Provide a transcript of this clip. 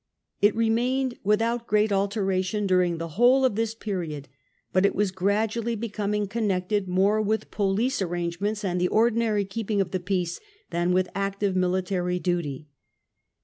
It remained without great alteration during the whole of this period, but it was gradually becoming connected more with police arrangements and the ordinary keeping of the peace than with active military duty.